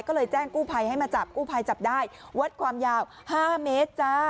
ก็เลยแจ้งกู้ภัยให้มาจับกู้ภัยจับได้วัดความยาว๕เมตรจ้า